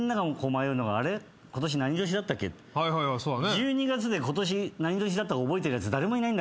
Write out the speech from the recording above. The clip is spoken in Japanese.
１２月で今年何年だったか覚えてるやつ誰もいないんだから。